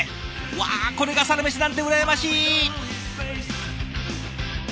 わあこれがサラメシなんて羨ましい！